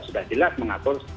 sudah jelas mengatur